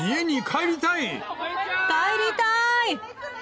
帰りたい。